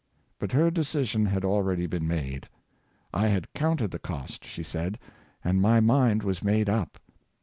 But her decision had already been made. " I had counted the cost," she said, " and my mind was made up.